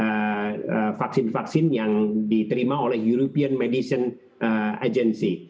mereka hanya mengakui vaksin yang diterima oleh european medicines agency